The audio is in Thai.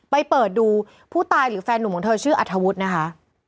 เปิดดูผู้ตายหรือแฟนหนุ่มของเธอชื่ออัธวุฒินะคะ